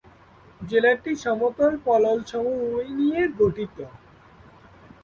জেলাটি সমতল পলল সমভূমি নিয়ে গঠিত।